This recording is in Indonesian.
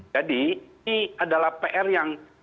jadi ini adalah pr yang